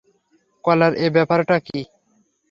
কলার এর ব্যাপার টা কি?